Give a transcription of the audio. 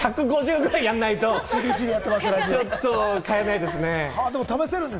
１５０ぐらいやらないと、ちょっと買えないですね。